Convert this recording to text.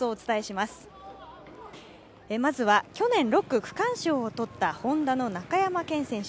まずは去年６区区間賞を取ったＨｏｎｄａの中山顕選手。